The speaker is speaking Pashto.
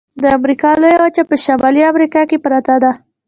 د امریکا لویه وچه په شمالي امریکا کې پرته ده.